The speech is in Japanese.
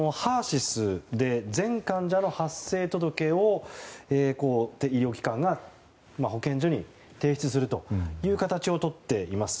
ＨＥＲ‐ＳＹＳで全患者の発生届を医療機関が保健所に提出するという形をとっています。